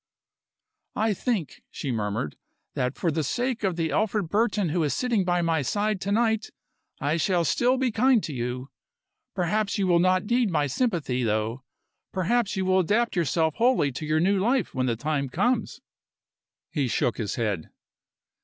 "I think," she murmured, "that for the sake of the Alfred Burton who is sitting by my side to night, I shall still be kind to you. Perhaps you will not need my sympathy, though. Perhaps you will adapt yourself wholly to your new life when the time comes." He shook his head.